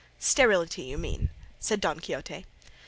"Sterility, you mean," said Don Quixote.